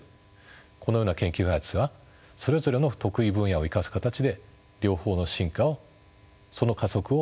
このような研究開発はそれぞれの得意分野を生かす形で両方の進化をその加速を促します。